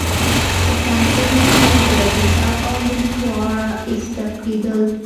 په ښوونځیو کې د حساب او لیک دواړه زده کېدل.